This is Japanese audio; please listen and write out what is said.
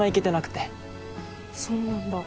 そうなんだ。